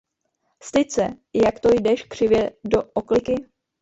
Styď se, jak to jdeš křivě do okliky?